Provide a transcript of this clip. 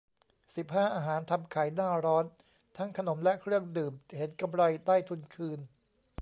สิบห้า อาหารทำขายหน้าร้อน ทั้งขนมและเครื่องดื่ม เห็นกำไรได้ทุนคืน